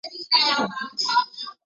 典礼主持人由史奴比狗狗担任。